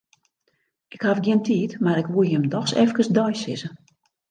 Ik haw gjin tiid, mar 'k woe jimme doch efkes deisizze.